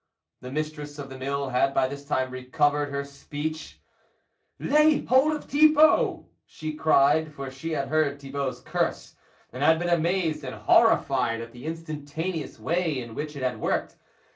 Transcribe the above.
The mis tress of the mill had by this time recovered her speech. " Lay hold of Thibault !" she cried, for she had heard Thibault's curse, and had been amazed and horrified at the instantaneous way in which it had worked.